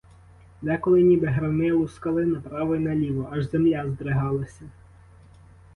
Деколи ніби громи лускали направо й наліво, аж земля здригалася.